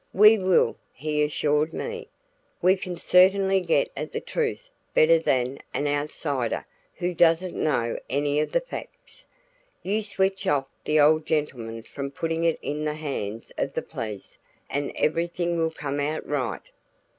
"We will!" he assured me. "We can certainly get at the truth better than an outsider who doesn't know any of the facts. You switch off the old gentleman from putting it in the hands of the police and everything will come out right."